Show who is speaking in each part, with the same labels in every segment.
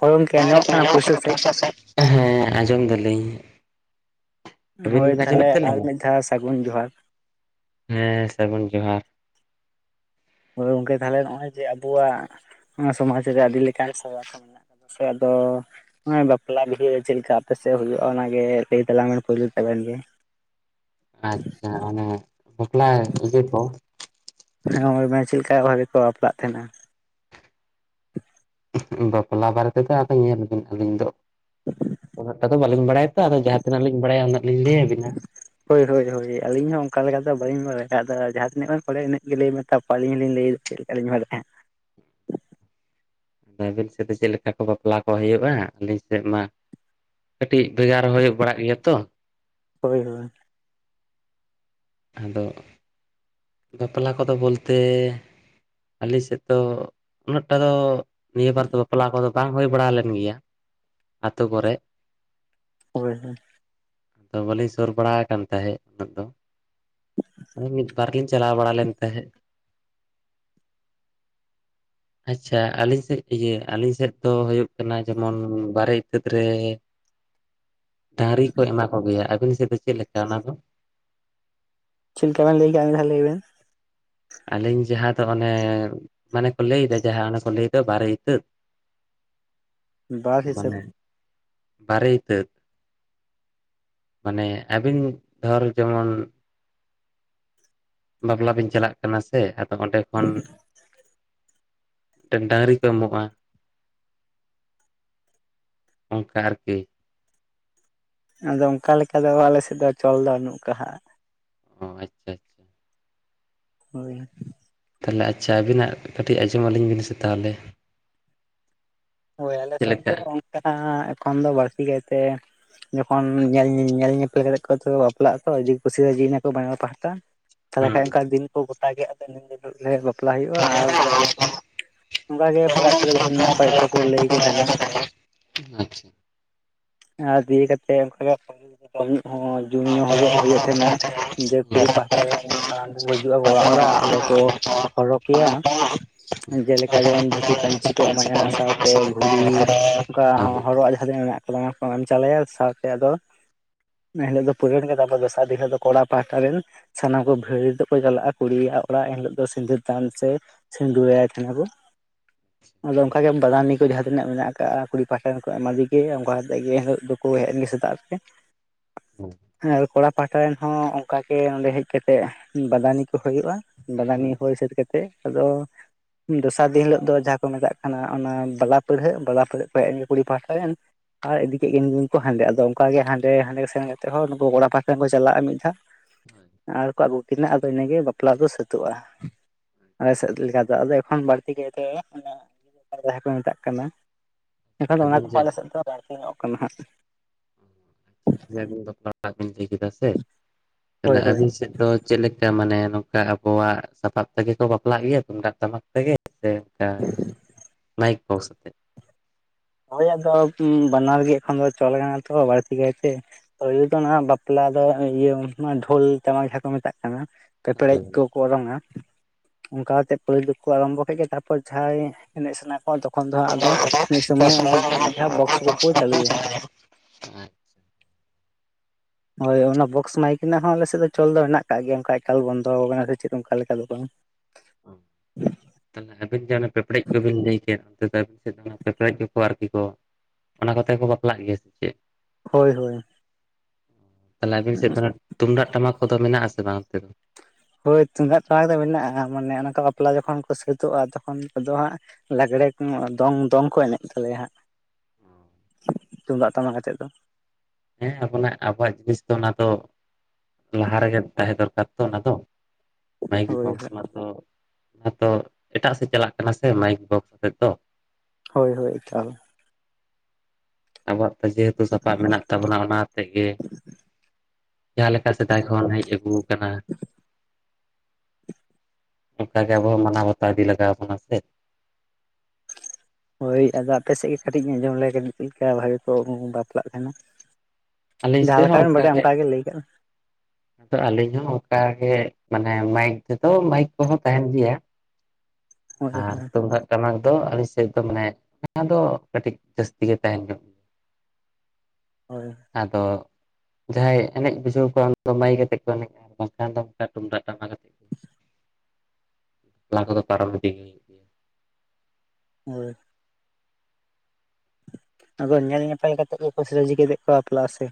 Speaker 1: ᱦᱳᱭ ᱜᱚᱝᱠᱮ ᱟᱸᱡᱚᱢᱚᱜ ᱠᱟᱱᱟ ᱯᱩᱭᱥᱟᱹ ᱥᱟᱺᱦᱤᱡ
Speaker 2: ᱡᱚᱝ ᱫᱚ ᱞᱟᱹᱭᱟᱹᱧ
Speaker 1: ᱦᱳᱭ ᱛᱟᱦᱞᱮ ᱟᱨ ᱢᱤᱫ ᱫᱷᱟᱣ ᱥᱟᱹᱜᱩᱱ ᱡᱚᱦᱟᱨ᱾
Speaker 2: ᱦᱮᱸ ᱥᱟᱹᱜᱩᱱ ᱡᱚᱦᱟᱨ᱾
Speaker 1: ᱦᱳᱭ ᱜᱚᱝᱠᱮ ᱛᱟᱦᱞᱮ ᱱᱚᱜᱼᱚᱭ ᱡᱮ ᱟᱵᱚᱣᱟᱜ ᱥᱚᱢᱟᱡᱽ ᱨᱮ ᱟᱹᱰᱤ ᱞᱮᱠᱟᱱ ᱥᱮ [unintelligible] ᱱᱚᱜᱼᱚᱭ ᱵᱟᱯᱞᱟ ᱵᱤᱦᱟᱹ ᱪᱮᱫ ᱞᱮᱠᱟ ᱟᱯᱮ ᱥᱮᱫ ᱦᱩᱭᱩᱜᱼᱟ ᱚᱱᱟᱜᱮ ᱞᱟᱹᱭ ᱛᱟᱞᱟᱝ ᱵᱮᱱ ᱯᱳᱭᱞᱳ ᱟᱵᱮᱱ ᱜᱮ᱾
Speaker 2: ᱟᱪᱪᱷᱟ ᱚᱱᱟ ᱵᱟᱯᱞᱟ ᱵᱤᱦᱟᱹ ᱠᱚ
Speaker 1: ᱦᱮᱸ ᱱᱚᱜᱼᱚᱭ ᱪᱮᱫ ᱞᱮᱠᱟ ᱵᱷᱟᱵᱮ ᱠᱚ ᱵᱟᱯᱞᱟᱜ ᱛᱟᱦᱮᱸᱱᱟ᱾
Speaker 2: ᱵᱟᱯᱞᱟ ᱵᱟᱨᱮ ᱛᱮᱫᱚ ᱟᱫᱚ ᱧᱮᱞᱵᱤᱱ ᱟᱹᱞᱤᱧ ᱫᱚ ᱩᱱᱟᱹᱜᱴᱟ ᱫᱚ ᱵᱟᱹᱞᱤᱧ ᱵᱟᱲᱟᱭᱟ ᱟᱫᱚ ᱡᱟᱦᱟᱸᱛᱤᱱᱟᱹᱜ ᱞᱤᱧ ᱵᱟᱲᱟᱭᱟ ᱩᱱᱟᱹᱜ ᱞᱤᱧ ᱞᱟᱹᱭᱟᱵᱤᱱᱟ᱾
Speaker 1: ᱟᱫᱚ ᱵᱟᱹᱞᱤᱧ ᱵᱟᱲᱟᱭᱟ ᱟᱫᱚ ᱡᱟᱦᱟᱸ ᱛᱤᱱᱟᱹᱜ ᱜᱟᱱ ᱯᱚᱨᱮ ᱤᱱᱟᱹᱜ ᱜᱮ ᱞᱟᱹᱭ ᱢᱮ ᱛᱚᱵᱮ ᱟᱹᱞᱤᱧ ᱦᱚᱞᱤᱧ ᱞᱟᱹᱭᱟ ᱪᱮᱫ ᱞᱮᱠᱟ ᱞᱤᱧ ᱵᱟᱲᱟᱭᱟ᱾ [inaudible]
Speaker 2: ᱟᱫᱚ ᱟᱹᱵᱤᱱ ᱥᱮᱫ ᱫᱚ ᱪᱮᱫ ᱞᱮᱠᱟ ᱠᱚ ᱵᱟᱯᱞᱟ ᱠᱚ ᱦᱩᱭᱩᱜᱼᱟ ᱟᱹᱞᱤᱧ ᱥᱮᱫ ᱢᱟ ᱠᱟᱹᱴᱤᱡ ᱵᱷᱮᱜᱟᱨ ᱦᱩᱭ ᱵᱟᱲᱟᱜ ᱜᱮᱭᱟ ᱛᱚ᱾
Speaker 1: ᱦᱳᱭ ᱦᱳᱭ
Speaker 2: ᱟᱫᱚ ᱵᱟᱯᱞᱟ ᱠᱚᱫᱚ ᱵᱚᱞᱛᱮ ᱟᱞᱮ ᱥᱮᱫ ᱫᱚ ᱩᱱᱟᱹᱜᱴᱟ ᱫᱚ ᱱᱤᱭᱟᱹ ᱵᱟᱨ ᱫᱚ ᱵᱟᱯᱞᱟ ᱠᱚᱫᱚ ᱵᱟᱝ ᱦᱩᱭ ᱵᱟᱲᱟ ᱞᱮᱱ ᱜᱮᱭᱟ᱾ ᱟᱛᱳ ᱠᱚᱨᱮᱜ
Speaker 1: ᱦᱳᱭ ᱦᱳᱭ
Speaker 2: ᱟᱫᱚ ᱵᱟᱹᱞᱤᱧ ᱥᱩᱨ ᱵᱟᱲᱟ ᱟᱠᱟᱱ ᱛᱟᱦᱮᱸᱫ ᱩᱱᱟᱹᱜ ᱫᱚ᱾ ᱟᱫᱚ ᱢᱤᱫ ᱵᱟᱨ ᱜᱤᱧ ᱪᱟᱞᱟᱣ ᱵᱟᱲᱟ ᱞᱮᱱ ᱛᱟᱦᱮᱸᱫ᱾
Speaker 1: [inaudible]
Speaker 2: ᱟᱪᱪᱷᱟ ᱟᱹᱞᱤᱧ ᱥᱮᱫ ᱤᱭᱟᱹ ᱟᱹᱞᱤᱧ ᱥᱮᱫ ᱫᱚ ᱦᱩᱭᱩᱜ ᱠᱟᱱᱟ ᱡᱮᱢᱚᱱ ᱵᱟᱨᱮ ᱤᱛᱟᱹᱫ ᱨᱮ
Speaker 1: [inaudible]
Speaker 2: ᱰᱟᱝᱨᱤ ᱠᱚ ᱮᱢᱟ ᱠᱚᱜᱮᱭᱟ ᱟᱹᱵᱤᱱ ᱥᱮᱫ ᱫᱚ ᱪᱮᱫ ᱞᱮᱠᱟ ᱚᱱᱟ ᱫᱚ?
Speaker 1: ᱪᱮ ᱞᱮᱠᱟ ᱵᱮᱱ ᱞᱟᱹᱭ ᱠᱮᱼᱟ ᱮᱱᱠᱷᱟᱱ ᱞᱟᱹᱭ ᱵᱮᱱ᱾
Speaker 2: ᱟᱹᱞᱤᱧ ᱡᱟᱦᱟᱸ ᱫᱚ ᱚᱱᱮ ᱢᱟᱱᱮ ᱠᱚ ᱞᱟᱹᱭᱫᱟ ᱡᱟᱦᱟᱸ ᱚᱮᱱ ᱠᱚ ᱞᱟᱹᱭᱫᱟ ᱵᱟᱨᱮ ᱤᱛᱟᱹᱫ᱾
Speaker 1: [inaudible] ᱵᱟᱨ
Speaker 2: ᱢᱟᱱᱮ
Speaker 1: ᱦᱤᱥᱟᱹᱵᱽ?
Speaker 2: ᱵᱟᱨᱮ ᱤᱛᱟᱹᱫ ᱢᱟᱱᱮ ᱟᱹᱵᱤᱱ ᱫᱷᱚᱨ ᱡᱮᱢᱚᱱ ᱵᱟᱯᱞᱟ ᱫᱤᱱ ᱪᱟᱞᱟᱜ ᱠᱟᱱᱟ ᱥᱮ ᱟᱫᱚ ᱚᱸᱰᱮ ᱠᱷᱚᱱ ᱢᱤᱫᱴᱮᱱ ᱰᱟᱝᱨᱤ ᱠᱚ ᱮᱢᱚᱜᱼᱟ ᱚᱝᱠᱟ ᱟᱨ ᱠᱤ
Speaker 1: ᱟᱫᱚ ᱚᱱᱠᱟ ᱞᱮᱠᱟ ᱫᱚ ᱟᱞᱮ ᱥᱮᱫ ᱫᱚ ᱪᱚᱞ ᱫᱚ ᱵᱟᱹᱱᱩᱜ ᱠᱟᱜᱼᱟ
Speaker 2: ᱚ ᱟᱪᱪᱷᱟ ᱟᱪᱪᱷᱟ
Speaker 1: ᱦᱳᱭ
Speaker 2: ᱛᱟᱦᱞᱮ ᱟᱪᱪᱷᱟ ᱟᱹᱵᱤᱱᱟᱜ ᱠᱟᱹᱴᱤᱡ ᱟᱸᱡᱚᱢ ᱟᱹᱞᱤᱧ ᱵᱤᱱ ᱥᱮ ᱛᱟᱦᱚᱞᱮ
Speaker 1: ᱦᱳᱭ ᱟᱞᱮ
Speaker 2: ᱪᱮᱫ
Speaker 1: ᱥᱮᱫ
Speaker 2: ᱞᱮᱠᱟ
Speaker 1: ᱫᱚ ᱚᱱᱠᱟ ᱮᱠᱷᱚᱱ ᱫᱚ ᱵᱟᱹᱲᱛᱤ ᱠᱟᱭᱛᱮ ᱡᱚᱠᱷᱚᱱ ᱧᱮᱞ ᱧᱮᱞ ᱧᱮᱯᱮᱞ ᱠᱟᱛᱮ ᱠᱚ ᱵᱟᱯᱞᱟᱜᱼᱟᱠᱚ ᱡᱮ ᱠᱩᱥᱤᱭᱟᱜᱼᱟ ᱠᱚ ᱵᱟᱝᱼᱟ ᱯᱟᱦᱴᱟ ᱛᱟᱦᱚᱞᱮ
Speaker 2: ᱦᱩᱸ
Speaker 1: ᱠᱷᱟᱱᱡ ᱚᱱᱠᱟ ᱫᱤᱱ ᱠᱚ ᱜᱚᱴᱟ ᱜᱮᱫ ᱛᱚ ᱱᱤᱱ ᱫᱤᱱ ᱚᱱᱠᱟ ᱵᱟᱯᱞᱟ ᱦᱩᱭᱩᱜᱼᱟ ᱟᱨ ᱚᱱᱠᱟᱜ ᱜᱮ ᱯᱮᱲᱟ ᱠᱚ ᱡᱟᱦᱟᱸ ᱢᱮᱱᱟᱜ ᱠᱚᱣᱟ ᱠᱚ ᱞᱟᱹᱭᱠᱚ ᱛᱟᱦᱮᱸᱱᱟ ᱟᱨ ᱫᱤᱭᱮ ᱠᱟᱛᱮ ᱚᱱᱠᱟᱜ ᱦᱚᱸ ᱡᱚᱢᱧᱩ ᱦᱚᱜ ᱦᱩᱭᱩᱜ ᱛᱟᱦᱮᱱᱟ ᱡᱮ ᱠᱩᱲᱤ ᱯᱟᱦᱴᱟ ᱨᱮᱱ ᱥᱟᱱᱟᱢ ᱠᱚ ᱦᱤᱡᱩᱜᱼᱟ ᱚᱲᱟᱜ ᱚᱲᱟᱜ ᱚᱸᱰᱮ ᱠᱚ
Speaker 2: ᱟᱪᱪᱷᱟ
Speaker 1: ᱦᱚᱨᱚᱯᱮᱭᱟ ᱡᱮᱞᱮᱠᱟ ᱡᱮᱢᱚᱱ ᱫᱷᱩᱛᱤ ᱯᱟᱹᱧᱪᱤ ᱠᱚ ᱮᱢᱟᱭᱟ ᱥᱟᱶ ᱥᱟᱶᱛᱮ ᱜᱷᱩᱲᱤ ᱚᱱᱠᱟ ᱦᱚᱨᱚᱜᱣᱟᱜ ᱡᱟᱦᱟᱸ ᱛᱤᱱᱟᱹᱜ ᱢᱮᱱᱟᱜ ᱠᱟᱫᱟ ᱚᱱᱟ ᱠᱚ ᱮᱢ ᱪᱟᱞᱟᱭᱟ ᱥᱟᱶᱛᱮ ᱟᱫᱚ ᱮ ᱦᱤᱞᱳᱜ ᱫᱚ ᱯᱩᱨᱟᱹᱱ ᱜᱮ ᱛᱟᱯᱚᱨ ᱫᱚᱥᱟᱨ ᱫᱤᱱ ᱦᱤᱞᱳᱜ ᱫᱚ ᱠᱚᱲᱟ ᱯᱟᱦᱟᱴᱟ ᱨᱮᱱ ᱥᱟᱱᱟᱢ ᱠᱚ ᱵᱷᱤᱲᱤ ᱛᱮᱠᱚ ᱪᱟᱞᱟᱜᱼᱟ ᱠᱩᱲᱤᱭᱟᱜ ᱚᱲᱟᱜ ᱮᱱ ᱦᱤᱞᱳᱜ ᱫᱚ ᱥᱤᱸᱫᱩᱨ ᱫᱷᱟᱱ ᱥᱮ [unintelligible] ᱠᱟᱱᱟ ᱠᱚ ᱟᱫᱚ ᱚᱱᱠᱟ ᱵᱟᱫᱟᱱᱤ ᱠᱚ ᱡᱟᱦᱟᱸ ᱛᱤᱱᱟᱹᱜ ᱢᱮᱱᱟᱜ ᱠᱟᱜᱼᱟ ᱠᱩᱲᱤ ᱯᱟᱦᱟᱴᱟ ᱠᱚ ᱮᱢᱟᱫᱮ ᱜᱮ ᱚᱱᱠᱟ ᱠᱟᱛᱮᱫ ᱜᱮ ᱮᱭᱟᱹ ᱦᱤᱞᱳᱜ ᱫᱚᱠᱚ ᱦᱮᱡ ᱮᱱ ᱜᱮ ᱥᱮᱛᱟᱜ ᱨᱮ ᱦᱮ ᱟᱫᱚ ᱠᱚᱲᱟ ᱯᱟᱦᱴᱟ ᱨᱮᱱ ᱦᱚᱸ ᱚᱱᱠᱟ ᱜᱮ ᱚᱸᱰᱮ ᱦᱮᱡ ᱠᱟᱛᱮ ᱵᱟᱫᱟᱱᱤ ᱠᱚ ᱦᱩᱭᱩᱜᱼᱟ ᱵᱟᱫᱟᱱᱤ ᱦᱩᱭ ᱥᱟᱹᱛ ᱠᱟᱛᱮᱜ ᱟᱫᱚ ᱫᱚᱥᱟᱨ ᱫᱤᱱ ᱦᱤᱞᱳᱜ ᱫᱚ ᱡᱟᱦᱟᱸ ᱠᱚ ᱢᱮᱛᱟᱜ ᱠᱟᱱᱟ ᱚᱱᱟ ᱵᱟᱞᱟ ᱯᱟᱹᱲᱦᱟᱹᱜ ᱵᱟᱞᱟ ᱯᱟᱹᱲᱦᱟᱹᱜ ᱠᱚ [unintelligible] ᱠᱩᱲᱤ ᱯᱟᱦᱴᱟᱣ ᱨᱮᱱ ᱟᱨ ᱤᱫᱤ ᱠᱮᱫ ᱜᱮ ᱤᱱ ᱠᱚ ᱦᱟᱸᱰᱮ ᱟᱫᱚ ᱚᱱᱠᱟ ᱜᱮ ᱦᱟᱸᱰᱮ ᱦᱟᱸᱰᱮ ᱥᱮᱱ ᱠᱟᱛᱮᱮ ᱦᱚᱸ ᱱᱩᱠᱩ ᱠᱚᱲᱟ ᱯᱟᱦᱟᱴᱟ ᱠᱷᱚᱱ ᱠᱚ ᱪᱟᱞᱟᱜᱼᱟ ᱢᱤᱫ ᱫᱷᱟᱣ ᱟᱨ ᱠᱚ ᱟᱹᱜᱩ ᱠᱤᱱᱟ ᱟᱫᱚ ᱤᱱᱟᱹᱜᱮ ᱵᱟᱯᱞᱟ ᱫᱚ ᱥᱟᱹᱛᱟᱹᱜᱼᱟ ᱟᱞᱮ ᱥᱮᱫ ᱞᱮᱠᱟ ᱫᱚ ᱟᱫᱚ ᱮᱠᱷᱚᱱ ᱵᱟᱹᱲᱛᱤ ᱜᱮ ᱜᱤᱫᱟᱹ ᱯᱟᱲ ᱠᱚ ᱢᱮᱛᱟᱜ ᱠᱟᱱᱟ ᱮᱱᱠᱷᱟᱱ ᱚᱱᱟ
Speaker 2: ᱟᱹᱵᱤᱱ
Speaker 1: ᱠᱚ
Speaker 2: ᱡᱮ
Speaker 1: ᱟᱞᱮ ᱥᱮᱫ ᱫᱚ ᱵᱟᱹᱲᱛᱤ ᱧᱮᱞᱚᱜ ᱠᱟᱱᱟ ᱦᱟᱸᱜ
Speaker 2: ᱢᱮᱱ ᱫᱟ. ᱧ ᱵᱟᱯᱞᱟ ᱚᱲᱟᱜ ᱵᱤᱱ ᱞᱟᱹᱭ ᱠᱮᱫᱟ ᱥᱮ
Speaker 1: ᱦᱳᱭ
Speaker 2: ᱛᱟᱦᱚᱞᱮ
Speaker 1: ᱦᱳᱭ
Speaker 2: ᱟᱹᱵᱤᱱ ᱥᱮᱫ ᱫᱚ ᱪᱮᱫ ᱞᱮᱠᱟ ᱢᱟᱱᱮ ᱱᱚᱝᱠᱟ ᱟᱵᱚᱣᱟᱜ ᱥᱟᱯᱟᱵ ᱛᱮᱜᱮ ᱠᱚ ᱵᱟᱯᱞᱟᱜ ᱜᱮᱭᱟ ᱛᱩᱢᱫᱟᱜ ᱴᱟᱢᱟᱠ ᱛᱮᱜᱮ? ᱚᱱᱠᱟ ᱢᱟᱭᱤᱠ [inaudible] ᱥᱟᱛᱮ
Speaker 1: ᱦᱳᱭᱳᱜ ᱫᱚ ᱵᱟᱱᱟᱨ ᱜᱮ ᱠᱷᱚᱱ ᱫᱚ ᱪᱟᱞᱟᱜ ᱠᱟᱱᱟ ᱛᱚ ᱵᱟᱹᱲᱛᱤ ᱠᱟᱭᱛᱮ [inaudible] ᱵᱟᱯᱞᱟ ᱟᱫᱚ ᱤᱭᱟᱹ ᱩᱱ ᱥᱚᱢᱚᱭ ᱰᱷᱳᱞ ᱴᱟᱢᱟᱠ ᱡᱟᱦᱟᱸ ᱠᱚ ᱢᱮᱛᱟᱜ ᱠᱟᱱᱟ ᱯᱮᱯᱮᱲᱮᱡ
Speaker 2: ᱦᱳᱭ
Speaker 1: ᱠᱚᱠᱚ ᱚᱨᱚᱝᱟ ᱚᱱᱠᱟ ᱠᱟᱛᱮ ᱯᱳᱭᱞᱳ ᱠᱚ ᱟᱨᱟᱢᱵᱚ ᱠᱮᱫ ᱜᱮᱭᱟ ᱛᱟᱨᱯᱚᱨ ᱡᱟᱦᱟᱸᱭ ᱮᱱᱮᱡ ᱥᱟᱱᱟ ᱠᱚᱣᱟ ᱛᱚᱠᱷᱚᱱ ᱫᱚ ᱦᱟᱸᱜ ᱟᱫᱚ
Speaker 2: ᱟᱪᱪᱷᱟ
Speaker 1: ᱥᱚᱢᱚᱭ ᱚᱱᱟ ᱡᱟᱦᱟᱸ ᱵᱚᱠᱥ ᱠᱚᱠᱚ ᱪᱟᱹᱞᱩᱭᱟ
Speaker 2: [inaudible]
Speaker 1: ᱦᱳᱭ ᱚᱱᱟ ᱵᱚᱠᱥ ᱢᱟᱭᱤᱠ ᱨᱮᱱᱟᱜ ᱦᱚᱸ ᱟᱞᱮ ᱥᱮᱫ ᱫᱚ ᱪᱟᱞᱩ ᱫᱚ ᱢᱮᱱᱟᱜ ᱠᱟᱜ ᱜᱮᱭᱟ ᱚᱱᱠᱟ ᱮᱠᱟᱞ ᱵᱚᱱᱫᱚ ᱟᱠᱟᱱᱟ ᱥᱮ ᱪᱮᱫ ᱚᱱᱠᱟ ᱞᱮᱠᱟ ᱫᱚ ᱵᱟᱝ
Speaker 2: ᱛᱟᱦᱞᱮ ᱟᱹᱵᱤᱱ ᱡᱟᱦᱟᱸ ᱯᱮᱯᱲᱮᱡ ᱠᱚᱵᱤᱱ ᱞᱟᱹᱭ ᱠᱮᱫ ᱫᱟᱹᱵ ᱥᱮᱫ ᱫᱚ ᱯᱮᱯᱨᱮᱡ ᱜᱮᱠᱚ ᱟᱨᱠᱤ ᱠᱚ ᱚᱱᱟ ᱠᱚᱛᱮ ᱠᱚ ᱵᱟᱯᱞᱟᱜ ᱜᱮᱭᱟ ᱥᱮ ᱪᱮᱫ?
Speaker 1: ᱦᱳᱭ ᱦᱳᱭ
Speaker 2: ᱛᱟᱦᱞᱮ ᱟᱹᱵᱤᱱ ᱥᱮᱫ ᱫᱚ ᱱᱟᱜ ᱛᱩᱢᱫᱟᱜ ᱴᱟᱢᱟᱠ ᱠᱚᱫᱚ ᱢᱮᱱᱟᱜ ᱟᱥᱮ ᱵᱟᱝ ᱛᱮᱫᱚ?
Speaker 1: ᱦᱳᱭ ᱛᱩᱢᱫᱟᱜ ᱴᱟᱢᱟᱠ ᱫᱚ ᱢᱮᱱᱟᱜᱼᱟ ᱢᱟᱱᱮ ᱚᱱᱟ ᱠᱚ ᱵᱟᱯᱞᱟ ᱡᱚᱠᱷᱚᱱ ᱠᱚ ᱥᱟᱹᱛᱚᱜᱼᱟ ᱛᱚᱠᱷᱚᱱᱫᱚ ᱦᱟᱸᱜ ᱞᱟᱜᱼᱟ [unintelligible] ᱫᱚᱝ ᱫᱚᱝ ᱠᱚ ᱮᱱᱮᱡ ᱛᱟᱞᱮᱭᱟ ᱦᱟᱸᱜ ᱛᱩᱢᱫᱟᱜ ᱴᱟᱢᱟᱠ ᱟᱛᱮᱫ ᱫᱚ
Speaker 2: ᱦᱮᱸ ᱟᱵᱚᱱᱟᱜ ᱟᱵᱚᱣᱟᱜ ᱡᱤᱱᱤᱥ ᱫᱚ ᱚᱱᱟ ᱫᱚ ᱞᱟᱦᱟ ᱨᱮᱜᱮ ᱛᱟᱦᱮᱸ ᱫᱚᱨᱠᱟᱨ ᱛᱚ ᱚᱱᱟ ᱫᱚ ᱢᱟᱭᱤᱠ
Speaker 1: ᱦᱳᱭ
Speaker 2: ᱵᱚᱠᱥ ᱢᱟ ᱛᱚ ᱚᱱᱟ ᱛᱚ ᱮᱴᱟᱜ ᱥᱮᱫ ᱪᱟᱞᱟᱜ ᱠᱟᱱᱟ ᱥᱮ ᱢᱟᱭᱤᱠ ᱵᱚᱠᱥ ᱟᱛᱮᱜ ᱫᱚ
Speaker 1: ᱦᱳᱭ ᱦᱳᱭ ᱮᱠᱟᱞ
Speaker 2: ᱟᱵᱚᱣᱟᱜ ᱡᱮᱦᱮᱛᱩ ᱥᱟᱯᱟᱯ ᱢᱮᱱᱟᱜ ᱛᱟᱵᱚᱱᱟ ᱚᱱᱟ ᱛᱮ ᱜᱮ ᱡᱟᱦᱟᱸ ᱞᱮᱠᱟ ᱥᱮᱫᱟᱭ ᱠᱷᱚᱱ ᱦᱮᱡ ᱟᱹᱜᱩ ᱠᱟᱱᱟ
Speaker 1: [inaudible]
Speaker 2: ᱚᱱᱠᱟᱜᱮ ᱟᱵᱚ ᱦᱚ ᱢᱟᱱᱟᱣ ᱵᱟᱛᱟᱣ ᱤᱫᱤ ᱞᱟᱜᱟᱣ ᱵᱚᱱᱟ ᱥᱮ
Speaker 1: ᱦᱳᱭ ᱟᱫᱚ ᱟᱯᱮ ᱥᱮᱫ ᱜᱮ ᱠᱟᱹᱴᱤᱡ ᱤᱧ ᱟᱸᱡᱚᱢ ᱞᱮᱭᱟ [inaudible] ᱞᱮᱠᱟ ᱵᱷᱟᱜᱮ ᱠᱚ ᱵᱟᱯᱞᱟᱜ ᱠᱟᱱᱟ᱾
Speaker 2: ᱟᱹᱞᱤᱧ
Speaker 1: ᱡᱟᱦᱟᱸ
Speaker 2: ᱥᱮᱫ
Speaker 1: ᱞᱮᱠᱟ
Speaker 2: ᱦᱚᱸ
Speaker 1: ᱵᱮᱱ ᱵᱟᱰᱟᱭᱟ
Speaker 2: ᱚᱱᱠᱟᱜᱮ
Speaker 1: ᱚᱱᱠᱟ ᱜᱮ ᱞᱟᱹᱭ ᱠᱟᱜ
Speaker 2: ᱟᱫᱚ ᱟᱹᱞᱤᱧ ᱦᱚᱸ ᱚᱱᱠᱟᱜᱮ ᱢᱟᱱᱮ ᱢᱟᱭᱤᱠ ᱛᱮᱫᱚ ᱢᱟᱭᱤᱠ ᱠᱚᱦᱚᱸ ᱛᱟᱦᱮᱱ ᱜᱮᱭᱟ
Speaker 1: ᱦᱳᱭ
Speaker 2: ᱟᱨ
Speaker 1: ᱦᱳᱭ
Speaker 2: ᱛᱩᱢᱫᱟᱜ ᱴᱟᱢᱟᱠ ᱫᱚ [unintelligible] ᱮᱫ ᱫᱚ ᱢᱟᱱᱮ ᱚᱱᱟ ᱫᱚ ᱠᱟᱹᱴᱤᱡ ᱡᱟᱹᱥᱛᱤ ᱜᱮ ᱛᱟᱦᱮᱱ ᱧᱚᱜ
Speaker 1: ᱦᱳᱭ
Speaker 2: ᱟᱫᱚ ᱡᱟᱦᱟᱸᱭ ᱮᱱᱮᱡ ᱵᱩᱡᱷᱟᱹᱣ ᱠᱚᱣᱟ ᱩᱱ ᱫᱚ ᱢᱟᱹᱭᱤᱠ ᱠᱟᱛᱮᱫ ᱠᱚ ᱮᱱᱮᱡᱼᱟ ᱟᱨ ᱵᱟᱝᱠᱷᱟᱱ ᱫᱚ ᱚᱱᱠᱟ ᱛᱩᱢᱫᱟᱜ ᱴᱟᱢᱟᱠ ᱠᱟᱛᱮ ᱠᱚ
Speaker 1: [inaudible]
Speaker 2: ᱵᱟᱯᱞᱟ ᱠᱚᱫᱚ ᱯᱟᱨᱚᱢ ᱤᱫᱤ ᱦᱩᱭᱮᱱ ᱜᱮᱭᱟ᱾
Speaker 1: ᱦᱳᱭ ᱟᱫᱚ ᱧᱮᱞ ᱧᱮᱯᱮᱞ ᱠᱟᱛᱮ ᱜᱮ ᱠᱚ ᱠᱩᱥᱤ ᱨᱟᱹᱡᱤ ᱠᱟᱛᱮ ᱵᱟᱯᱞᱟᱜᱼᱟ ᱥᱮ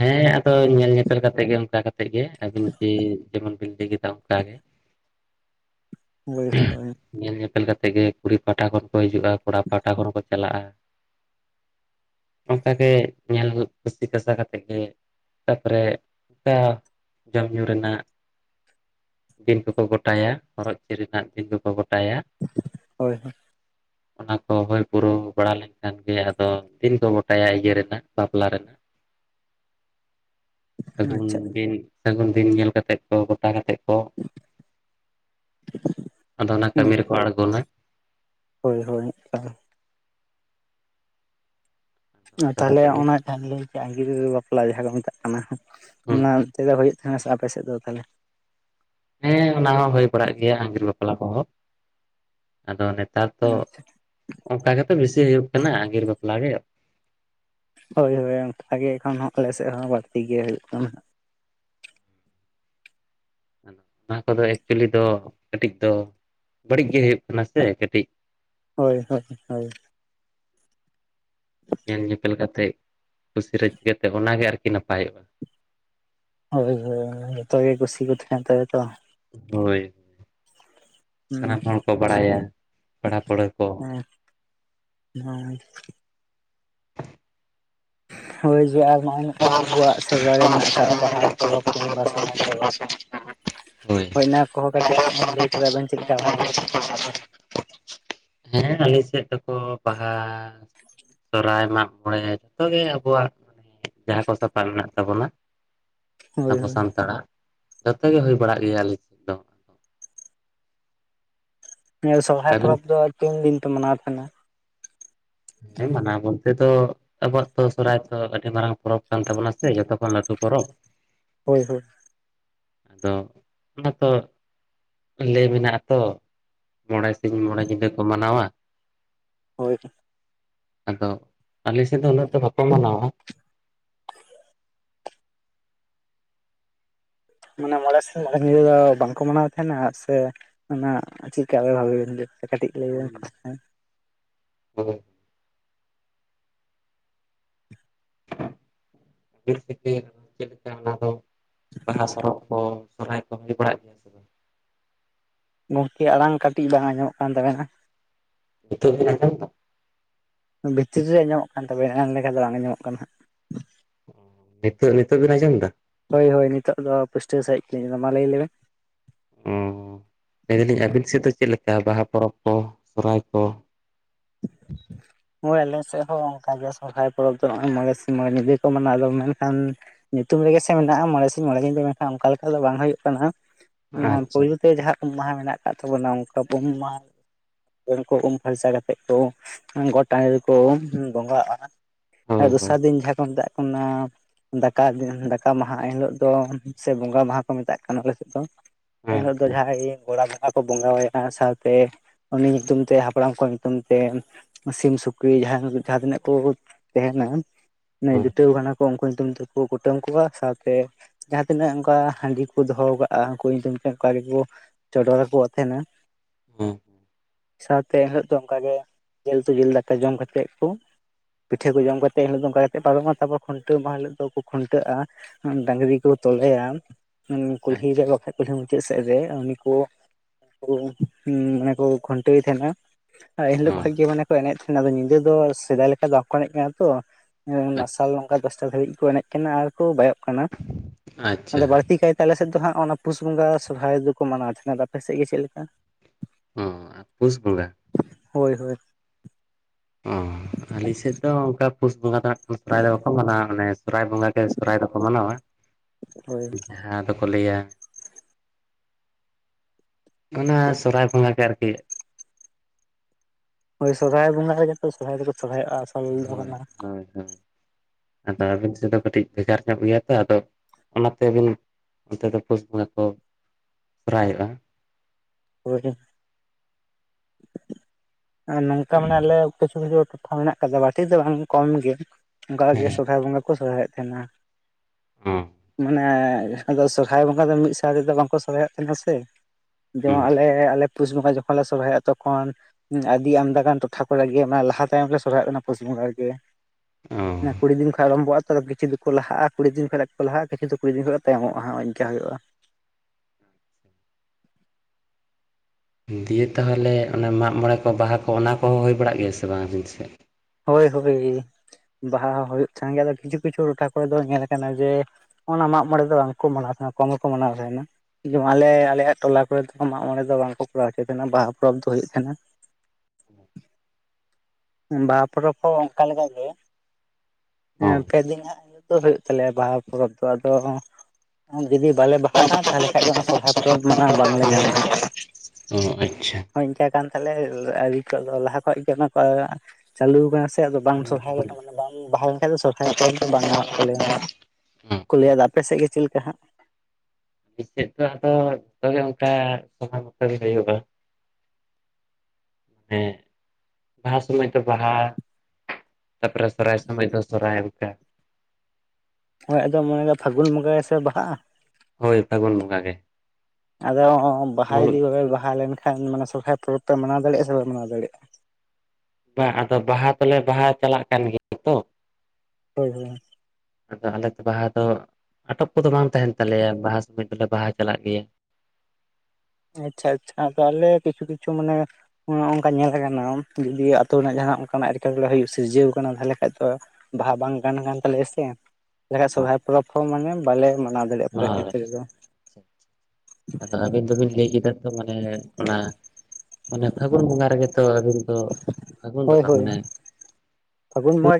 Speaker 2: ᱦᱮᱸ ᱟᱫᱚ ᱧᱮᱞ ᱧᱮᱯᱮᱞ ᱠᱟᱛᱮᱜ ᱜᱮ ᱚᱱᱠᱟ ᱠᱟᱛᱮᱜ ᱜᱮ ᱟᱹᱵᱤᱱ ᱠᱤ ᱡᱮᱢᱚᱱ ᱵᱤᱱ ᱞᱟᱹᱭ ᱠᱮᱫᱟ ᱚᱱᱠᱟ ᱜᱮ᱾
Speaker 1: [inaudible] ᱵᱚᱭᱮᱥ [unintelligible]
Speaker 2: ᱧᱮᱞ [unintelligible] ᱜᱮ ᱠᱩᱲᱤ ᱯᱟᱦᱴᱟ ᱠᱷᱚᱱ ᱠᱚ ᱦᱤᱡᱩᱜᱼᱟ ᱠᱚᱲᱟ ᱯᱟᱦᱴᱟ ᱠᱷᱚᱱ ᱠᱚ ᱪᱟᱞᱟᱜᱼᱟ᱾ ᱚᱱᱠᱟ ᱜᱮ ᱧᱮᱞ ᱠᱩᱥᱤ ᱠᱟᱥᱟ ᱠᱟᱛᱮ ᱛᱮᱜᱮ ᱛᱟᱨᱯᱚᱨᱮ ᱚᱱᱠᱟ ᱡᱚᱢ ᱧᱩ ᱨᱮᱱᱟᱜ ᱫᱤᱱ ᱠᱚᱠᱚ ᱜᱚᱴᱟᱭᱟ ᱦᱚᱨᱚᱜ ᱪᱤᱨ ᱨᱮᱱᱟᱜ ᱫᱤᱱ ᱠᱚᱠᱚ ᱜᱚᱴᱟ ᱟᱭᱟ
Speaker 1: ᱦᱳᱭ
Speaker 2: ᱚᱱᱟ ᱠᱚ ᱦᱩᱭ ᱯᱩᱨᱟᱹᱣ ᱵᱟᱲᱟ ᱞᱮᱱᱠᱷᱟᱱ ᱜᱮ ᱟᱫᱚ ᱫᱤᱱ ᱠᱚ ᱜᱚᱴᱟᱭᱟ ᱤᱭᱟᱹ ᱨᱮᱱᱟᱜ ᱵᱟᱯᱞᱟ ᱨᱮᱱᱟᱜ᱾
Speaker 1: [inaudible] ᱟᱪᱪᱷᱟ
Speaker 2: ᱥᱟᱹᱜᱩᱱ ᱫᱤᱱ ᱥᱟᱹᱜᱩᱱ ᱫᱤᱱ ᱧᱮᱞ ᱠᱟᱛᱮ ᱠᱚ ᱜᱚᱴᱟ ᱠᱟᱛᱮ ᱟᱫᱚ ᱚᱱᱟ ᱠᱟᱹᱢᱤ ᱨᱮᱠᱚ ᱟᱬᱜᱚᱱᱟ
Speaker 1: ᱦᱳᱭ ᱦᱳᱭ
Speaker 2: ᱟᱫᱚ ᱚᱱᱠᱟ
Speaker 1: ᱛᱟᱦᱚᱞᱮ
Speaker 2: ᱠᱟᱛᱮᱫ ᱜᱮ
Speaker 1: ᱚᱱᱟ ᱡᱟᱦᱟᱸ ᱤᱧ ᱞᱟᱹᱭ ᱠᱮᱫᱼᱟ ᱜᱤᱨᱟᱹ ᱵᱟᱯᱞᱟ ᱡᱟᱦᱟᱸ ᱠᱚ ᱢᱮᱛᱟᱜ ᱠᱟᱱᱟ
Speaker 2: ᱦᱩᱸ
Speaker 1: ᱚᱱᱟ [unintelligible] ᱦᱩᱭᱩᱜ ᱦᱮᱸ ᱥᱮ ᱟᱯᱮ ᱥᱮᱫ ᱫᱚ ᱛᱟᱦᱚᱞᱮ
Speaker 2: ᱦᱮᱸ ᱚᱱᱟ ᱦᱚᱸ ᱦᱩᱭ ᱵᱟᱲᱟᱜ ᱜᱮᱭᱟ ᱟᱹᱝᱜᱤᱨ ᱵᱟᱯᱞᱟ ᱠᱚᱦᱚᱸ ᱟᱫᱚ ᱱᱮᱛᱟᱨ ᱫᱚ
Speaker 1: ᱟᱪᱪᱷᱟ
Speaker 2: ᱚᱱᱠᱟ ᱜᱮᱛᱚ ᱵᱮᱥᱤ ᱦᱩᱭᱩᱜ ᱠᱟᱱᱟ ᱟᱹᱝᱜᱤᱨ ᱵᱟᱯᱞᱟ ᱜᱮ᱾
Speaker 1: ᱦᱳᱭ ᱦᱳᱭ ᱚᱱᱠᱟ ᱜᱮ ᱮᱠᱷᱚᱱ ᱦᱚᱸ ᱟᱞᱮ ᱥᱮᱫ ᱦᱚᱸ ᱵᱟᱹᱲᱛᱤ ᱜᱮ ᱦᱩᱭᱩᱜ ᱠᱟᱱᱟ᱾
Speaker 2: [unintelligible] ᱚᱱᱟ ᱠᱚᱫᱚ ᱮᱠᱪᱩᱞᱤ ᱫᱚ ᱠᱟᱹᱴᱤᱡ ᱫᱚ ᱵᱟᱹᱲᱤᱡ ᱜᱮ ᱦᱩᱭᱩᱜ ᱠᱟᱱᱟ ᱥᱮ ᱠᱟᱹᱴᱤᱡ
Speaker 1: ᱦᱳᱭ ᱦᱳᱭ ᱦᱳᱭ
Speaker 2: ᱧᱮᱞ ᱧᱮᱯᱮᱞ ᱠᱟᱛᱮᱜ ᱠᱩᱥᱤ ᱨᱟᱹᱡᱤ ᱠᱟᱛᱮᱜ ᱚᱱᱟᱜᱮ ᱟᱨᱠᱤ ᱱᱟᱯᱟᱭᱚᱜᱼᱟ᱾
Speaker 1: ᱦᱳᱭ ᱦᱳᱭ ᱡᱚᱛᱚ ᱜᱮ ᱠᱩᱥᱤ ᱠᱚ ᱛᱟᱦᱮᱸᱱ ᱛᱚᱵᱮ ᱛᱚ᱾
Speaker 2: ᱦᱳᱭ ᱥᱟᱱᱟᱢ ᱦᱚᱲ ᱠᱚ ᱵᱟᱲᱟᱭᱟ ᱯᱮᱲᱟ ᱯᱟᱲᱦᱟᱹ ᱠᱚ
Speaker 1: [unintelligible] ᱦᱳᱭ ᱡᱮ ᱟᱨ ᱱᱚᱜᱼᱚᱭ ᱢᱤᱫᱴᱟᱝ ᱟᱵᱚᱣᱟᱜ ᱥᱮᱨᱣᱟ ᱨᱮ ᱢᱮᱱᱟᱜ ᱟᱠᱟᱫ ᱵᱟᱦᱟ ᱯᱚᱨᱚᱵᱽ ᱠᱤᱝᱵᱟ ᱥᱚᱨᱦᱟᱭ ᱯᱚᱨᱚᱵᱽ ᱦᱳᱭ ᱚᱱᱟ ᱠᱚᱦᱚᱸ ᱠᱟᱹᱴᱤᱡ ᱞᱟᱹᱭ ᱛᱚᱨᱟᱭ ᱵᱮᱱ ᱪᱮᱫ ᱞᱮᱠᱟ ᱵᱷᱟᱜᱮ [unintelligible]
Speaker 2: ᱦᱮᱸ ᱟᱞᱮ ᱥᱮᱫ ᱫᱚᱠᱚ ᱵᱟᱦᱟ ᱥᱚᱦᱨᱟᱭ ᱢᱟᱜ ᱢᱚᱬᱮ ᱡᱚᱛᱚᱜᱮ ᱟᱵᱚᱣᱟᱜ ᱡᱟᱦᱟᱸ ᱠᱚ ᱥᱟᱯᱟᱵ ᱢᱮᱱᱟᱜ ᱛᱟᱵᱚᱱᱟ
Speaker 1: ᱦᱳᱭ
Speaker 2: ᱟᱵᱚ ᱥᱟᱱᱛᱟᱲᱟᱜ ᱡᱚᱛᱚ ᱜᱮ ᱦᱩᱭ ᱵᱟᱲᱟᱜ ᱜᱮᱭᱟ ᱟᱞᱮ ᱥᱮᱫ ᱫᱚ
Speaker 1: ᱤᱭᱟᱹ ᱥᱚᱦᱨᱟᱭ
Speaker 2: ᱟᱹᱵᱤᱱ
Speaker 1: ᱯᱚᱨᱚᱵᱽ ᱫᱚ ᱛᱤᱱ ᱫᱤᱱ ᱯᱮ ᱢᱟᱱᱟᱣ ᱛᱟᱦᱮᱸᱱᱟ?
Speaker 2: ᱦᱮᱸ ᱢᱟᱱᱟᱣ ᱜᱚᱢᱠᱮ ᱟᱵᱚᱣᱟᱜ ᱛᱚ ᱥᱚᱦᱨᱟᱭ ᱫᱚ ᱟᱹᱰᱤ ᱢᱟᱨᱟᱝ ᱯᱚᱨᱚᱵᱽ ᱠᱟᱱ ᱛᱟᱵᱚᱱᱟ ᱥᱮ ᱡᱚᱛᱚ ᱠᱷᱚᱱ ᱞᱟᱹᱴᱩ ᱯᱚᱨᱚᱵᱽ
Speaker 1: ᱦᱳᱭ ᱦᱳᱭ
Speaker 2: ᱟᱫᱚ ᱚᱱᱟ ᱛᱚ ᱞᱟᱹᱭ ᱢᱮᱱᱟᱜᱼᱟ, ᱟᱛᱚ᱾ ᱢᱚᱬᱮ ᱥᱤᱧ-ᱢᱚᱬᱮ ᱧᱤᱫᱟᱹ ᱠᱚ ᱢᱟᱱᱟᱣᱟ᱾
Speaker 1: ᱦᱳᱭ
Speaker 2: ᱟᱫᱚ ᱟᱞᱮ ᱥᱮᱫ ᱫᱚ ᱩᱱᱟᱹᱜ ᱫᱚ ᱵᱟᱠᱚ ᱢᱟᱱᱟᱣᱟ᱾
Speaker 1: [inaudible] ᱢᱟᱱᱮ ᱢᱚᱬᱮ ᱥᱤᱧ ᱧᱤᱫᱟᱹ ᱫᱚ ᱵᱟᱝᱠᱚ ᱢᱟᱱᱟᱣ ᱛᱟᱦᱮᱸᱱᱟ ᱥᱮ ᱚᱱᱟ ᱪᱮᱫ ᱵᱷᱟᱜᱮ ᱠᱟᱹᱴᱤᱡ ᱞᱟᱹᱭ ᱵᱮᱱ?
Speaker 2: ᱦᱚ ᱠᱷᱤᱛᱤᱨ ᱪᱮᱫ ᱞᱮᱠᱟ ᱚᱱᱟ ᱫᱚ ᱵᱟᱦᱟ- ᱥᱚᱨᱚᱵ ᱥᱚᱨᱦᱟᱭ ᱠᱚ ᱦᱩᱭ ᱵᱟᱲᱟᱜ ᱜᱮᱭᱟ ᱥᱮ ᱵᱟᱝ
Speaker 1: ᱜᱚᱝᱠᱮ ᱟᱲᱟᱝ ᱠᱟᱹᱴᱤᱡ ᱵᱟᱝ ᱟᱸᱡᱚᱢᱚᱜ ᱠᱟᱱ ᱛᱟᱵᱮᱱᱟ᱾
Speaker 2: ᱱᱤᱛᱚᱜ ᱵᱮᱱ ᱟᱸᱡᱚᱢ ᱮᱫᱟ?
Speaker 1: ᱵᱷᱤᱛᱨᱤ ᱨᱮ ᱧᱟᱢᱚᱜ ᱠᱟᱱ ᱛᱟᱵᱮᱱᱟ ᱮᱱᱟᱝ ᱞᱮᱠᱟ ᱫᱚ ᱵᱟᱝ ᱧᱟᱢᱚᱜ ᱠᱟᱱᱟ ᱦᱟᱸᱜ
Speaker 2: ᱱᱤᱛᱚᱜ ᱱᱤᱛᱚᱜ ᱵᱮᱤᱱ ᱟᱸᱡᱚᱢ ᱮᱫᱟ?
Speaker 1: ᱦᱳᱭ ᱦᱳᱭ ᱱᱤᱛᱚᱜ ᱫᱚ ᱯᱩᱥᱴᱟᱹᱣ ᱥᱟᱺᱦᱤᱡ ᱜᱮᱞᱤᱧ ᱟᱸᱡᱚᱢ ᱮᱫᱟ ᱢᱟ᱾ ᱞᱟᱹᱭ ᱞᱮᱵᱮᱱ
Speaker 2: ᱚ ᱞᱟᱹᱭ ᱫᱟᱞᱤᱧ ᱟᱹᱵᱤᱱ ᱥᱮᱫ ᱫᱚ ᱪᱮᱫ ᱞᱮᱠᱟ ᱵᱟᱦᱟ ᱯᱚᱨᱚᱵᱽ ᱠᱚ ᱥᱚᱦᱚᱨᱟᱭ ᱠᱚ
Speaker 1: ᱦᱳ ᱟᱞᱮ ᱥᱮᱫ ᱦᱚᱸ ᱚᱱᱠᱟᱜ ᱥᱚᱨᱦᱟᱭ ᱯᱚᱨᱚᱵᱽ ᱫᱚ ᱱᱚᱜᱚᱭ ᱢᱚᱬᱮ ᱢᱬᱮ ᱧᱤᱫᱟᱹ ᱠᱚ ᱢᱟᱱᱟᱣ ᱟ ᱢᱮᱱᱠᱷᱟᱱ ᱧᱩᱛᱩᱢ ᱨᱮᱜᱮ ᱥᱮ ᱢᱮᱱᱟᱜᱼᱟ, ᱢᱚᱬᱮ ᱥᱤᱧ ᱢᱚᱬᱮ ᱫᱤᱱ ᱫᱚᱠᱷᱟᱱ ᱚᱱᱠᱟ ᱞᱮᱠᱟ ᱫᱚ ᱵᱟᱝ ᱦᱩᱭᱩᱜ ᱠᱟᱱᱟ᱾
Speaker 2: ᱟᱪᱪᱷᱟ
Speaker 1: ᱯᱩᱭᱞᱩ ᱛᱮ ᱡᱟᱦᱟᱸ ᱩᱢ ᱢᱟᱦᱟ ᱢᱮᱱᱟᱜ ᱟᱠᱟᱫ ᱛᱟᱵᱚᱱᱟ ᱚᱱᱠᱟ ᱩᱢ ᱢᱟᱦᱟ ᱠᱚ ᱩᱢ ᱯᱷᱟᱨᱪᱟ ᱠᱟᱛᱮ ᱠᱚ ᱜᱚᱴ ᱴᱟᱺᱰᱤ ᱨᱮᱠᱚ ᱵᱚᱸᱜᱼᱟ
Speaker 2: ᱦᱳᱭ ᱦᱳᱭ
Speaker 1: ᱫᱚᱥᱟᱨ ᱫᱤᱱ ᱡᱟᱦᱟᱸ ᱠᱚ ᱢᱮᱛᱟᱜ ᱠᱟᱱᱟ ᱚᱱᱟ ᱫᱟᱠᱟ ᱫᱟᱠᱟ ᱢᱟᱦᱟ ᱮᱱ ᱦᱤᱞᱳᱜ ᱫᱚ ᱥᱮ ᱵᱚᱸᱜᱟ ᱢᱟᱦᱟ ᱠᱚ ᱢᱮᱛᱟᱜ ᱠᱟᱱᱟ᱾ ᱟᱞᱮ ᱥᱮᱫ ᱫᱚ ᱮᱱ
Speaker 2: ᱦᱮᱸ
Speaker 1: ᱦᱤᱞᱚᱜ ᱫᱚ
Speaker 2: ᱦᱮᱸ
Speaker 1: ᱡᱟᱦᱟᱸᱭ ᱜᱚᱲᱟ ᱵᱚᱸᱜᱟ ᱠᱚ ᱵᱚᱸᱜᱟᱣᱟᱭᱟ ᱥᱟᱶᱛᱮ ᱩᱱᱤ ᱧᱩᱛᱩᱢ ᱛᱮ ᱦᱟᱯᱲᱟᱢ ᱠᱚ ᱯᱨᱚᱢ ᱛᱮ ᱥᱤᱢ ᱥᱩᱠᱨᱤ ᱡᱟᱦᱟᱸ ᱡᱟᱦᱟᱸ ᱛᱤᱱᱟᱹᱜ ᱠᱚ ᱛᱟᱦᱮᱸᱱᱟ
Speaker 2: ᱦᱮᱸ
Speaker 1: ᱡᱩᱛᱟᱹ ᱠᱟᱱᱟ ᱩᱱᱠᱩ ᱧᱩᱛᱩᱢ ᱛᱮᱠᱩ ᱠᱩᱴᱟᱹᱢ ᱠᱚᱣᱟ ᱥᱟᱶᱛᱮ ᱡᱟᱦᱟᱸ ᱛᱤᱱᱟᱹᱜ ᱚᱱᱠᱟ ᱦᱟᱺᱰᱤ ᱠᱚ ᱫᱚᱦᱚ ᱠᱟᱜᱼᱟ᱾ ᱩᱱᱠᱩ ᱧᱩᱛᱩᱢ ᱚᱠᱟ ᱜᱮᱠᱚ ᱪᱚᱰᱚᱨᱟ ᱠᱚᱣᱟᱜ ᱛᱟᱦᱮᱸᱱᱟ᱾
Speaker 2: ᱦᱩ
Speaker 1: ᱥᱟᱶᱛᱮ ᱮᱱᱦᱤᱞᱳᱜ ᱫᱚ ᱚᱱᱠᱟᱜᱮ ᱡᱤᱞᱛᱩ ᱡᱤᱞ ᱫᱟᱠᱟ ᱡᱚᱢ ᱠᱟᱛᱮᱫ ᱠᱚ ᱯᱤᱴᱷᱟᱹ ᱠᱚ ᱡᱚᱢ ᱠᱟ ᱠᱟᱛᱮᱫ ᱮᱱᱤᱞᱳᱜ ᱫᱚ ᱚᱱᱠᱟ ᱠᱟ ᱠᱟᱛᱮᱮᱫ ᱯᱟᱨᱚᱢᱼᱟ᱾ ᱛᱟᱨᱯᱚᱨ ᱠᱷᱩᱱᱴᱟᱹᱣ ᱢ ᱦᱤᱞᱳᱜ ᱫᱚᱠᱚ ᱠᱷᱩᱱᱴᱟᱹᱜᱼᱟ᱾ ᱰᱟᱝᱨᱤ ᱠᱚ ᱛᱚᱞᱮᱭᱟ
Speaker 2: ᱟᱪᱪᱷᱟ
Speaker 1: ᱠᱩᱞᱦᱤᱠᱚ ᱠᱷᱟᱱ ᱠᱩᱞᱦᱤ ᱢᱩᱪᱟᱫ ᱢᱩᱪᱮᱫ ᱥᱮᱫ ᱨᱮ ᱩᱱᱤ ᱠᱚ ᱢᱟᱱᱮ ᱠᱚ ᱠᱷᱩᱱᱴᱟᱹᱣᱮ ᱛᱟᱦᱮᱸᱱᱟ᱾ ᱮᱱ ᱦᱤᱞᱳᱜ
Speaker 2: ᱦᱚᱸ
Speaker 1: ᱠᱷᱚᱱ ᱜᱮ ᱢᱟᱱᱮ ᱠᱚ ᱮᱱᱮᱡ ᱛᱟᱦᱮᱸᱱᱟ ᱟ ᱧᱤᱫᱟᱹ ᱫᱚ ᱥᱮᱫᱟᱭ ᱞᱮᱠᱟ ᱫᱚ ᱵᱟᱠᱚ ᱮᱱᱮᱡ ᱠᱟᱱᱟ ᱛᱚ
Speaker 2: ᱟᱪᱪᱷᱟ
Speaker 1: ᱢᱟᱨᱥᱟᱞ ᱱᱚᱝᱠᱟ ᱫᱚᱥᱴᱟ ᱫᱷᱟᱹᱵᱤᱡ ᱠᱚ ᱮᱱᱮᱡ ᱠᱟᱱᱟ ᱟᱨ ᱠᱚ ᱵᱟᱭᱚᱜ ᱠᱟᱱᱟ᱾
Speaker 2: ᱟᱪᱪᱷᱟ
Speaker 1: ᱟᱫᱚ ᱵᱟᱹᱲᱛᱤ ᱠᱟᱭᱛᱮ ᱟᱞᱮ ᱥᱮᱫ ᱫᱚ ᱦᱟᱸᱜ ᱚᱱᱟ ᱯᱩᱥ ᱵᱚᱸᱜᱟ ᱥᱚᱨᱦᱟᱭ ᱫᱚᱠᱚ ᱢᱟᱱᱟᱣ ᱛᱟᱦᱮᱱᱟ ᱟᱯᱮ ᱥᱮᱫ ᱜᱮ ᱪᱮᱫ ᱞᱮᱠᱟ
Speaker 2: ᱚ ᱯᱩᱥ ᱵᱚᱸᱜᱟ
Speaker 1: ᱦᱳᱭ ᱦᱳᱭ
Speaker 2: ᱚ ᱟᱞᱮ ᱥᱮᱫ ᱫᱚ ᱚᱱᱠᱟ ᱯᱩᱥ ᱵᱚᱸᱜᱟ ᱫᱚ ᱥᱚᱨᱚᱦᱟᱭ ᱫᱚ ᱵᱟᱠᱚ ᱢᱟᱱᱟᱣᱟ ᱚᱱᱮ ᱥᱚᱦᱟᱨᱟᱭ ᱵᱚᱸᱜᱟ ᱜᱮ ᱥᱚᱦᱟᱨᱟᱭ ᱫᱚᱠᱚ ᱢᱟᱱᱟᱣᱟ᱾
Speaker 1: ᱦᱳᱭ
Speaker 2: ᱡᱟᱦᱟᱸ ᱫᱚ ᱞᱟᱹᱭᱟ ᱚᱱᱟ ᱥᱚᱨᱦᱟᱭ ᱵᱚᱸᱜᱟ ᱪᱟᱨᱠᱭᱟ
Speaker 1: ᱥᱚᱦᱟᱭ ᱵᱚᱸᱜᱟ ᱨᱮᱜ ᱥᱚᱨᱦᱟᱭ ᱫᱚ ᱥᱚᱨᱦᱟᱭᱚᱜᱼᱟ ᱟᱥᱚᱞ
Speaker 2: ᱦᱳᱭ
Speaker 1: ᱠᱟᱱᱟ
Speaker 2: ᱦᱳᱭ ᱦᱳᱭ ᱟᱫᱚ ᱟᱹᱵᱤᱱ ᱥᱮᱫ ᱫᱚ ᱠᱟᱹᱴᱤᱡ ᱵᱷᱮᱜᱟᱨ ᱧᱚᱜ ᱜᱮᱭᱟ ᱛᱚ ᱟᱫᱚ ᱚᱱᱟᱛᱮ ᱟᱹᱵᱤᱱ ᱚᱱᱛᱮ ᱫᱚ ᱯᱩᱥ ᱵᱚᱸᱜᱟ ᱠᱚ ᱥᱚᱦᱨᱟᱭᱚᱜᱼᱟ᱾
Speaker 1: ᱱᱚᱝᱠᱟ ᱢᱟᱱᱮ ᱟᱞᱮ ᱯᱷᱟ ᱢᱮᱱᱟᱜ ᱠᱟᱫᱟ ᱵᱟᱴᱤ ᱫᱚ ᱵᱟᱝ ᱠᱚᱢ ᱜᱮ ᱚᱱᱠᱟᱜᱮ
Speaker 2: ᱦᱮᱸ
Speaker 1: ᱥᱚᱨᱦᱟᱭ ᱵᱚᱸᱜᱟ ᱠᱚ ᱥᱚᱨᱦᱟᱭᱮᱫ ᱛᱟᱦᱮᱸᱱᱟ᱾
Speaker 2: ᱚ
Speaker 1: ᱢᱟᱱᱮ ᱟᱫᱚ ᱥᱚᱨᱦᱟᱭ ᱵᱚᱸᱜᱟ ᱫᱚ ᱢᱤᱫ ᱥᱟᱶ ᱛᱮᱫᱚ ᱵᱟᱝᱠᱚ ᱥᱚᱨᱦᱟᱭᱚᱜ ᱠᱟᱱᱟ ᱥᱮ
Speaker 2: ᱦᱩᱸ
Speaker 1: ᱡᱮᱢᱚᱱ ᱟᱞᱮ ᱟᱞᱮ ᱯᱩᱥ ᱵᱚᱸᱜᱟ ᱡᱚᱠᱷᱚᱱ ᱞᱮ ᱥᱚᱦᱟᱭᱚᱜ ᱛᱚᱠᱷᱚᱱ ᱟᱹᱰᱤ ᱟᱢᱫᱟ ᱜᱟᱱ ᱴᱚᱴᱷᱟ ᱠᱚᱨᱮᱜᱮ ᱞᱟᱦᱟ ᱛᱟᱭᱚᱢ ᱞᱮ ᱥᱚᱨᱚᱦᱟᱭᱚᱜ ᱠᱟᱱᱟ ᱯᱚᱥ ᱵᱚᱸᱜᱟ ᱨᱮᱜᱮ᱾
Speaker 2: ᱚ
Speaker 1: ᱠᱩᱲᱤ ᱫᱤᱱ ᱠᱷᱚᱡ ᱟᱨᱚᱢᱵᱷᱚᱜᱼᱟ᱾ ᱛᱚᱨ ᱠᱤᱪᱷᱩ ᱫᱚ ᱞᱟᱦᱟᱜᱼᱟ ᱠᱩᱲᱤ ᱫᱤᱱ ᱠᱷᱚᱡᱱᱟᱜ ᱫᱚ ᱞᱟᱦᱟᱜᱼᱟ ᱠᱤᱪᱷᱩ ᱠᱩᱲᱤ ᱫᱤᱱ ᱠᱷᱚᱡᱱᱟᱜ ᱛᱟᱭᱚᱢᱚᱜᱼᱟ ᱝᱠᱟ ᱦᱩᱭᱩᱜᱼᱟ᱾ [inaudible]
Speaker 2: ᱫᱤᱭᱮ ᱛᱟᱦᱚᱞᱮ ᱚᱱᱮ ᱢᱟᱜ ᱢᱚᱬᱮᱸ ᱠᱚ ᱵᱟᱦᱟ ᱠᱚ ᱚᱱᱟ ᱠᱚᱦᱚᱸ ᱦᱩᱭ ᱵᱟᱲᱟᱜ ᱜᱮᱭᱟ ᱥᱮ ᱵᱟᱝ ᱟᱵᱤᱱ ᱥᱮᱫ?
Speaker 1: ᱦᱳᱭ ᱦᱳᱭ ᱵᱟᱦᱟ ᱦᱩᱭᱩᱜ [unintelligible] ᱜᱮᱭᱟ ᱟᱫᱚ ᱠᱤᱪᱷᱩ ᱠᱤᱪᱷᱩ ᱴᱚᱴᱷᱟ ᱠᱚᱨᱮ ᱫᱚ ᱧᱮᱞ ᱠᱟᱱᱟ ᱡᱮ ᱚᱱᱟ ᱢᱟᱜ ᱢᱚᱬᱮ ᱫᱚ ᱵᱟᱝᱠᱚ ᱢᱟᱱᱟᱣᱟ᱾ ᱠᱚᱢᱮᱠᱚ ᱢᱟᱱᱟᱣ ᱛᱟᱦᱮᱱᱟ᱾ ᱡᱮᱢᱚᱱ ᱟᱞᱮ ᱟᱞᱮᱭᱟᱜ ᱴᱚᱞᱟ ᱠᱚᱨᱮ ᱫᱚ ᱢᱟᱜ ᱢᱚᱬᱮ ᱫᱚ ᱵᱟᱝᱠᱚ ᱠᱚᱨᱟᱣ ᱦᱚᱪᱚᱭ ᱛᱟᱦᱮᱸᱱᱟ ᱵᱟᱦᱟ ᱯᱚᱨᱚᱵᱽ ᱫᱚ ᱦᱩᱭᱩᱜ ᱛᱟᱦᱮᱸᱱᱟ᱾ [inaudible] ᱵᱟᱦᱟ ᱯᱚᱨᱚᱵᱽ ᱦᱚᱸ ᱚᱱᱠᱟ ᱞᱮᱠᱟ ᱜᱮ
Speaker 2: ᱚ
Speaker 1: ᱯᱮ ᱫᱤᱱ ᱦᱟᱜ ᱦᱩᱭᱩᱜ [unintelligible] ᱦᱩᱭᱩᱜ ᱛᱟᱞᱮᱭᱟ ᱵᱟᱦᱟ ᱯᱚᱨᱚᱵᱽ ᱫᱚ ᱟᱫᱚ ᱡᱩᱫᱤ ᱵᱟᱞᱮ ᱵᱟᱦᱟᱜᱼᱟ ᱛᱟᱦᱞᱮ ᱠᱷᱟᱡ ᱫᱚ ᱚᱱᱟ ᱥᱚᱨᱦᱟᱭ ᱯᱚᱨᱚᱵᱽ ᱢᱟᱱᱟᱣ ᱵᱟᱝᱞᱮ ᱧᱟᱢᱟ ᱦᱟᱸᱜ᱾
Speaker 2: ᱚ ᱟᱪᱪᱷᱟ
Speaker 1: ᱦᱚᱸᱭ ᱤᱱᱠᱟᱹ ᱠᱟᱱ ᱛᱟᱞᱮ ᱟᱹᱨᱤ ᱠᱚ ᱫᱚ ᱞᱟᱦᱟ ᱠᱷᱚᱡᱜᱮ ᱱᱚᱝᱠᱟ ᱪᱟᱹᱞᱩ ᱠᱟᱱᱟ ᱥᱮ ᱟᱫᱚ ᱵᱟᱝ ᱥᱚᱨᱦᱟᱭ ᱢᱟᱱᱮ ᱵᱟᱢ ᱵᱟᱦᱟ ᱞᱮᱱᱠᱷᱟᱱᱡ ᱫᱚ ᱥᱚᱨᱦᱟᱭ ᱯᱚᱨᱚᱵᱽ ᱫᱚ ᱵᱟᱝ ᱜᱟᱱᱚᱜ ᱛᱟᱞᱮᱭᱟ᱾
Speaker 2: ᱚ
Speaker 1: ᱠᱚ ᱞᱟᱹᱭᱫᱟ ᱟᱯᱮ ᱥᱮᱫ ᱜᱮ ᱪᱮᱫ ᱞᱮᱠᱟ ᱦᱟᱜ?
Speaker 2: ᱪᱮᱫ ᱞᱮᱠᱟ ᱟᱫ [unintelligible] ᱢᱟᱱᱮ ᱵᱟᱦᱟ ᱥᱚᱢᱚᱭ ᱛᱚ ᱵᱟᱦᱟ ᱛᱟᱨᱯᱚᱨᱮ ᱥᱚᱨᱚᱦᱟᱭ ᱥᱚᱢᱚᱭ ᱫᱚ ᱥᱚᱨᱚᱦᱟᱭ ᱚᱱᱠᱟ᱾
Speaker 1: ᱟᱫᱚ [unintelligible] ᱯᱷᱟᱹᱜᱩᱱ ᱵᱚᱸᱜᱟ ᱜᱮᱥᱮ ᱵᱟᱦᱟᱜᱼᱟ᱾
Speaker 2: ᱦᱳᱭ ᱯᱷᱟᱹᱜᱩᱱ ᱵᱚᱸᱜᱟ ᱜᱮ᱾
Speaker 1: ᱟᱫᱚ ᱵᱟᱦᱟ
Speaker 2: ᱢᱩᱞᱩᱜ
Speaker 1: ᱤᱫᱤ ᱠᱚᱜᱮ ᱵᱟᱦᱟ ᱞᱮᱱᱠᱷᱟᱱ ᱠᱷᱟᱱ ᱢᱟᱱᱮ ᱥᱚᱨᱦᱟᱭ ᱯᱚᱨᱚᱵᱽ ᱯᱮ ᱢᱟᱱᱟᱣ ᱫᱟᱲᱮᱭᱟᱜᱼᱟ ᱥᱮᱯᱮ ᱢᱟᱱᱟᱣ ᱫᱟᱲᱮᱭᱟᱜᱼᱟ?
Speaker 2: ᱵᱟᱝ ᱟᱫᱚ ᱵᱟᱦᱟ ᱫᱚᱞᱮ ᱵᱟᱦᱟ ᱪᱟᱞᱟᱜ ᱠᱟᱱ ᱜᱮᱭᱟ ᱛᱚ᱾
Speaker 1: ᱦᱳᱭ ᱦᱳᱭ
Speaker 2: ᱟᱫᱚ ᱟᱞᱮ ᱫᱚ ᱵᱟᱦᱟ ᱫᱚ ᱟᱴᱚᱠ ᱠᱚᱫᱚ ᱵᱟᱝ ᱛᱟᱦᱮᱱ ᱛᱟᱞᱮᱭᱟ ᱵᱟᱦᱟ ᱥᱚᱢᱚᱭ [unintelligible] ᱵᱟᱦᱟ ᱪᱟᱞᱟᱜ ᱜᱮᱭᱟ᱾
Speaker 1: ᱟᱪᱪᱷᱟ ᱟᱪᱪᱷᱟ ᱟᱞᱮ ᱠᱤᱪᱷᱩ ᱠᱤᱪᱷᱩ ᱢᱟᱱᱮ ᱚᱱᱠᱟ ᱧᱮᱞᱟ ᱟᱠᱟᱱᱟ ᱡᱩᱫᱤ ᱟᱹᱛᱩ ᱨᱮᱱᱟᱜ ᱡᱟᱦᱟᱸ ᱚᱱᱠᱟᱱᱟᱜ [unintelligible] ᱦᱩᱭᱩᱜ ᱥᱤᱨᱡᱟᱹᱣ ᱠᱟᱱᱟ ᱛᱟᱦᱚᱞᱮ ᱠᱷᱟᱡ ᱫᱚ ᱵᱟᱦᱟ ᱵᱟᱝ ᱜᱟᱱ ᱟᱠᱟᱱ ᱛᱟᱞᱮᱭᱟ ᱥᱮ ᱮᱱᱮᱠᱷᱟᱱ ᱥᱚᱨᱦᱟᱭ ᱯᱚᱨᱚᱵᱽ ᱦᱚᱸ ᱢᱟᱱᱮ ᱵᱟᱞᱮ ᱢᱟ
Speaker 2: ᱦᱚᱭ ᱟᱪᱷᱟ ᱟᱪᱷᱟ ᱟᱫᱚ ᱟᱹᱵᱤᱱ ᱫᱚ ᱵᱤᱱ ᱞᱟᱹᱭ ᱠᱮᱫᱟ ᱛᱚ ᱢᱟᱱᱮ ᱚᱱᱟ ᱢᱟᱱᱮ ᱯᱷᱟᱹᱜᱩᱱ ᱵᱚᱸᱜᱟ ᱨᱮᱜᱮ ᱛᱚ ᱟᱹᱵᱤᱱ ᱫᱚ
Speaker 1: ᱦᱳᱭ ᱦᱳᱭ
Speaker 2: ᱯᱷᱟᱜᱩᱱ [unintelligible]
Speaker 1: ᱯᱷᱟᱹᱜᱩᱱ [unintelligible]